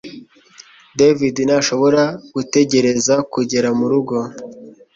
David ntashobora gutegereza kugera murugo